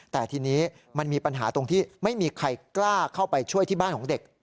แต่ทีนี้มันมีปัญหาตรงที่ไม่มีใครกล้าเข้าไปช่วยที่บ้านของเด็ก